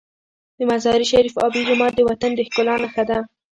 د مزار شریف آبي جومات د وطن د ښکلا نښه ده.